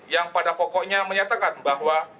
yang pada pokoknya menyatakan bahwa